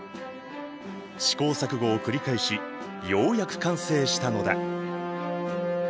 試行錯誤を繰り返しようやく完成したのだ。